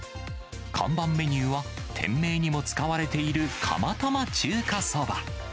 看板メニューは、店名にも使われている釜玉中華そば。